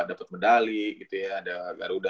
dapat medali gitu ya ada garuda